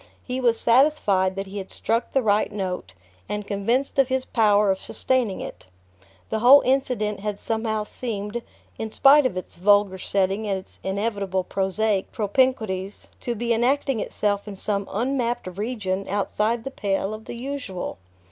He was satisfied that he had struck the right note, and convinced of his power of sustaining it. The whole incident had somehow seemed, in spite of its vulgar setting and its inevitable prosaic propinquities, to be enacting itself in some unmapped region outside the pale of the usual.